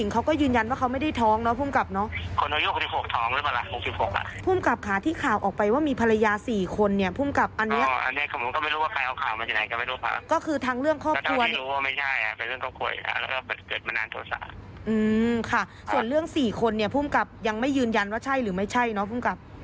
ก็คือทั้งเรื่องครอบครัวส่วนเรื่องสี่คนเนี่ยผู้กับยังไม่ยืนยันว่าใช่หรือไม่ใช่เนาะ